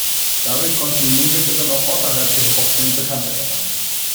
Dadurch konnte die Musikerin auch außerhalb der Hip-Hop-Szene Bekanntheit erlangen.